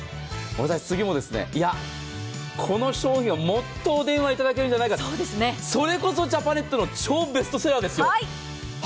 次も、いやこの商品はもっとお電話いただけるんじゃないか、それこそジャパネットの超ベストセラーですよ。